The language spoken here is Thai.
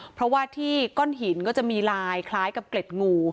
เพราะว่าที่ก้อนหินก็จะมีลายคล้ายกับเกล็ดงู